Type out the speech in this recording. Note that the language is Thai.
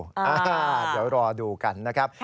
เดี๋ยวรอดูกันนะครับ